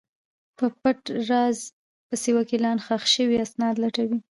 په پټ راز پسې وکیلان ښخ شوي اسناد لټوي.